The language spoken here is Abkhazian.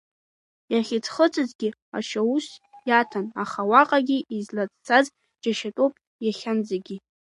Иахьыӡхыҵызгьы ашьаус иаҭан, аха уаҟагьы излацәцаз џьашьатәуп иахьанӡагьы.